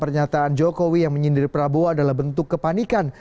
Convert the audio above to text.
pernyataan jokowi yang menyindir prabowo adalah bentuk kepanikan